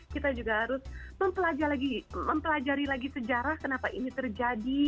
kita juga harus mempelajari lagi sejarah kenapa ini terjadi